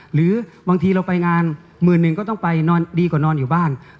หรือบางทีเราไปงาน๑๑๐๐๐ก็ต้องไปดีกว่านอนอยู่บ้าน